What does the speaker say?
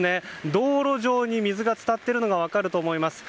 道路上に水が浸かっているのが分かると思います。